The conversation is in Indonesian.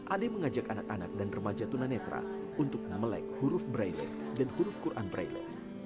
ade mengajak anak anak dan remaja tunanetra untuk melek huruf braille dan huruf quran braille